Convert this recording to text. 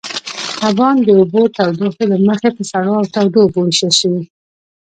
کبان د اوبو تودوخې له مخې په سړو او تودو اوبو وېشل شوي.